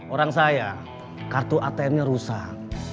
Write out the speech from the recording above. orang saya kartu atm nya rusak